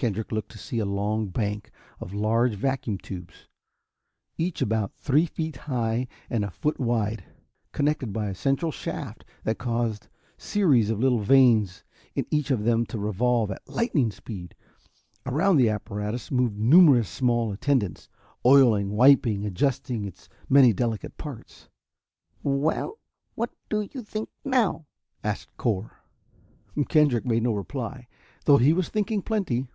Kendrick looked to see a long bank of large vacuum tubes, each about three feet high and a foot wide, connected by a central shaft that caused series of little vanes in each of them to revolve at lightning speed. Around the apparatus moved numerous small attendants, oiling, wiping, adjusting its many delicate parts. "Well, what do you think now?" asked Cor. Kendrick made no reply, though he was thinking plenty.